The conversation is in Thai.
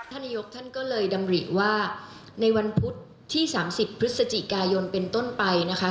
นายกท่านก็เลยดำริว่าในวันพุธที่๓๐พฤศจิกายนเป็นต้นไปนะคะ